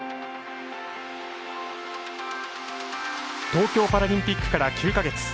東京パラリンピックから９か月。